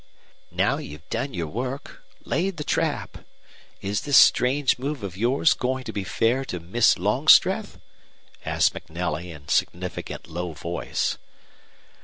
"Now you've done your work laid the trap is this strange move of yours going to be fair to Miss Longstreth?" asked MacNelly, in significant low voice.